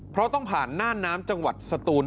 เพราะต้องผ่านหน้าน้ำจังหวัดสตูน